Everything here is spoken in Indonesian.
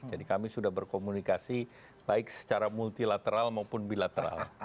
kami sudah berkomunikasi baik secara multilateral maupun bilateral